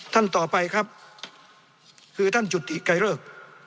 ท่านต่อไปครับคือท่านจุติไกรเลิก